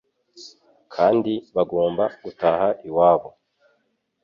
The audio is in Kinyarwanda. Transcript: kandi bagomba gutaha iwabo